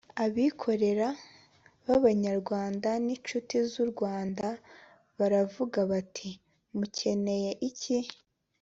Abikorera b’abanyarwanda n’inshuti z’u Rwanda baravuga bati mukeneye iki